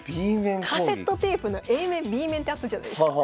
カセットテープのＡ面Ｂ面ってあったじゃないですか。